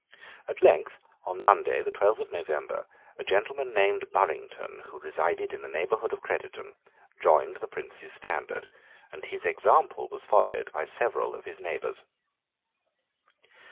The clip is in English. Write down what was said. At length, on Monday, the twelfth of November, a gentleman named Burrington, who resided in the neighbourhood of Crediton, joined the Prince's standard, and his example was followed by several of his neighbours.